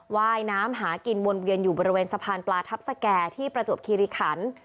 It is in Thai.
ว่ายน้ำหากินวนเวียนอยู่บริเวณสะพานปลาทัพสแก่ที่ประจวบคิริขัน